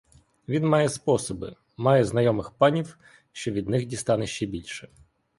Він має способи, має знайомих панів, що від них дістане ще більше.